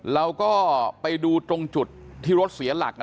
เราก็ไปดูตรงจุดที่รถเสียหลัก